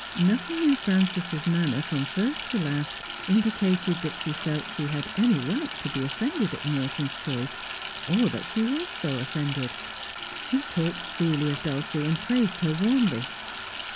Nothing in Frances's manner from first to last indicated that she felt she had any right to be offended at Morton's choice, or that she was so offended. She talked freely of Dulcie, and praised her warmly.